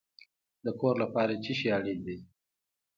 د کور لپاره څه شی اړین دی؟